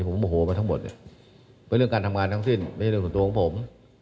ผมโมโหมาทั้งหมดเป็นเรื่องการทำงานทั้งสิ้นไม่ใช่เรื่องส่วนตัวของผม